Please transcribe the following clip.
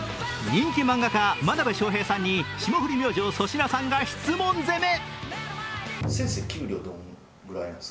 人気漫画家、真鍋昌平さんに霜降り明星粗品さんが質問攻め。